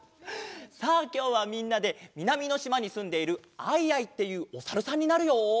さあきょうはみんなでみなみのしまにすんでいる「アイアイ」っていうおさるさんになるよ。